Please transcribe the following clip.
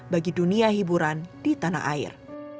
bagi dunia hiburan di tanah air